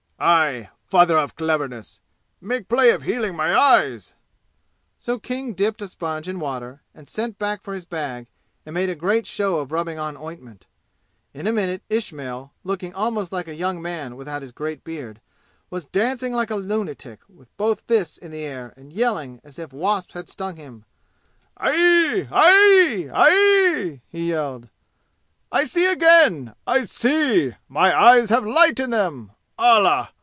"Aye! Father of cleverness! Make play of healing my eyes!" So King dipped a sponge in water and sent back for his bag and made a great show of rubbing on ointment. In a minute Ismail, looking almost like a young man without his great beard, was dancing like a lunatic with both fists in the air, and yelling as if wasps had stung him. "Aieee aieee aieee!" he yelled. "I see again! I see! My eyes have light in them! Allah!